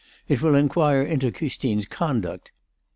It will enquire into Custine's conduct.